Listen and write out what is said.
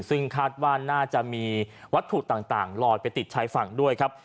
ซึ่งคาดว่าน่าจะมีวัตถุต่างลอยไปติดชายฝั่งด้วยครับ